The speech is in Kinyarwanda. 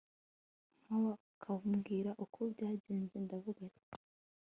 nk akambwira uko byagenze ndavuga nti